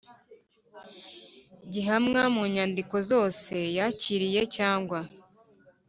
gihamwa ku nyandiko zose yakiriye cyangwa